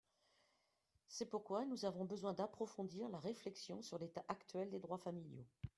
C’est pourquoi nous avons besoin d’approfondir la réflexion sur l’état actuel des droits familiaux.